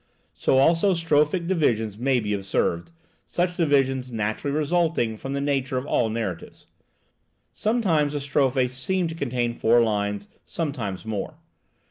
So also strophic divisions may be observed, such divisions naturally resulting from the nature of all narratives. Sometimes the strophe seems to contain four lines, sometimes more.